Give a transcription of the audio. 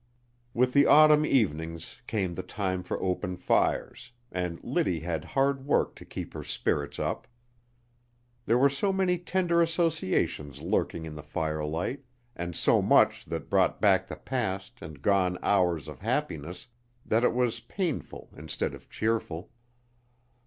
With the autumn evenings came the time for open fires, and Liddy had hard work to keep her spirits up. There were so many tender associations lurking in the firelight, and so much that brought back the past and gone hours of happiness that it was painful instead of cheerful.